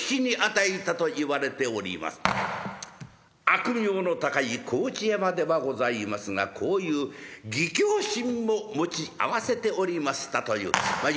悪名の高い河内山ではございますがこういう義きょう心も持ち合わせておりましたというまあ